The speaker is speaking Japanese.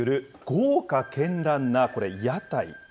豪華けんらんなこれ、屋台。